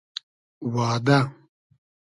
وا دۂ